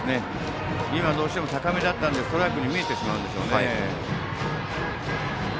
今、どうしても高めだったのでストライクに見えてしまうんでしょうね。